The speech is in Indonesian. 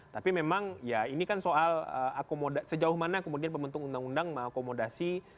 tapi memang ya ini kan soal sejauh mana kemudian pembentuk undang undang mengakomodasi